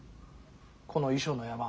この衣装の山。